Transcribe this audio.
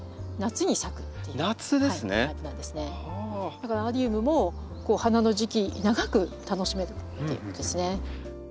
だからアリウムも花の時期長く楽しめるっていうことですね。